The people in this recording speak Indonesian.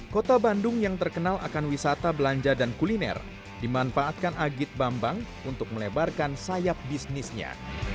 kota bandung yang terkenal akan wisata belanja dan kuliner dimanfaatkan agit bambang untuk melebarkan sayap bisnisnya